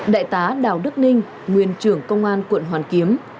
đại tá đào đức ninh nguyên trưởng công an quận hoàn kiếm